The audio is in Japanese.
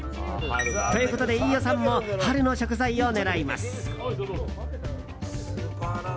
ということで、飯尾さんも春の食材を狙います。